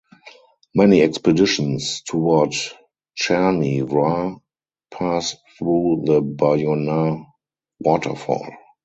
Many expeditions toward Cherni Vrah pass through the Boyana Waterfall.